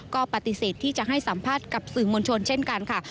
ก็ปฏิเสธที่จะให้สัมภาษณ์กับสื่อมวลชนเช่นกันค่ะ